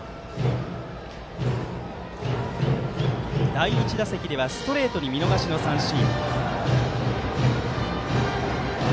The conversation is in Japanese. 第１打席ではストレートに見逃し三振。